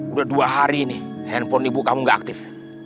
udah dua hari ini handphone ibu kamu nggak aktif